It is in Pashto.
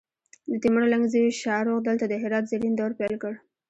د تیمور لنګ زوی شاهرخ دلته د هرات زرین دور پیل کړ